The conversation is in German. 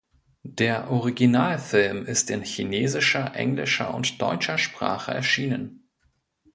Der Originalfilm ist in chinesischer, englischer und deutscher Sprache erschienen.